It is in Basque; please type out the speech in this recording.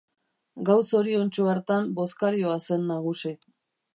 Gau zoriontsu hartan bozkarioa zen nagusi.